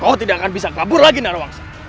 kau tidak akan bisa kabur lagi narawangsa